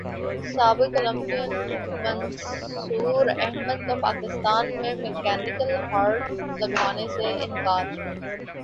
سابق اولمپئن منصوراحمد کا پاکستان میں مکینیکل ہارٹ لگوانے سے انکار